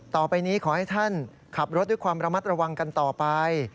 ต่อไปนี้ขอให้ท่านขับรถด้วยความระมัดระวังกันต่อไป